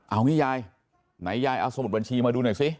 เอางี้ยายไหนยายเอาสมุดบัญชีมาดูหน่อยซิ